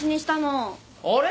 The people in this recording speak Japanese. あれ？